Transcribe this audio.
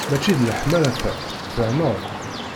Mačči d leḥmala ta, tfahmeḍ?